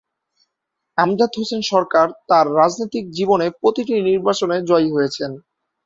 আমজাদ হোসেন সরকার তার রাজনৈতিক জীবনের প্রতিটি নির্বাচনে জয়ী হয়েছেন।